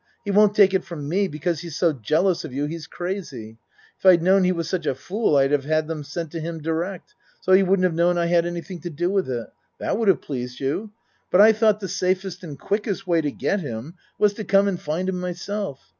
He won't take it from me, because he's so jealous of you he's crazy. If I'd known he was such a fool, I'd have had them send to him di rect, so he wouldn't have known I had anything to do with it. That would have pleased you? But I tho't the safest and quickest way to get him was to come and find him myself.